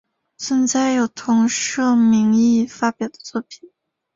存在有同社名义发表的作品。